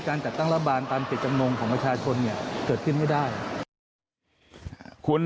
การจัดตั้งรัฐบาลตามติดจำนวงของประชาชนเกิดขึ้นไม่ได้คุณ